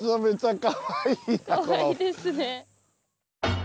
かわいいですね。